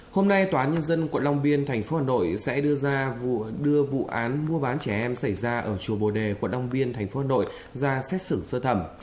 hôm nay tòa án nhân dân quận long biên tp hcm sẽ đưa ra vụ án mua bán trẻ em xảy ra ở chùa bồ đề quận long biên tp hcm ra xét xử sơ thẩm